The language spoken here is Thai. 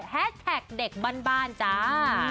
แท็กเด็กบ้านจ้า